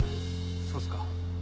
そうっすか。